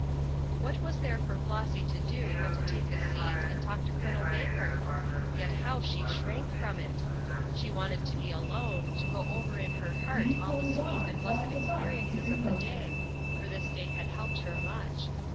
What was there for Flossy to do but to take a seat and talk to Col. Baker? Yet how she shrank from it! She wanted to be alone, to go over in her heart all the sweet and blessed experiences of the day, for this day had helped her much.